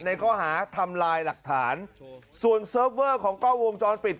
ในข้อหาทำลายหลักฐานส่วนเซิร์ฟเวอร์ของกล้องวงจรปิด